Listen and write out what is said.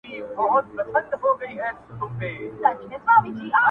ددې ښايستې نړۍ بدرنگه خلگ,